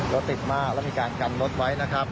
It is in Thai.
รถติดมากแล้วมีการกันรถไว้นะครับ